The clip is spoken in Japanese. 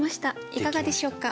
いかがでしょうか？